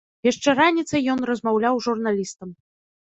Яшчэ раніцай ён размаўляў з журналістам.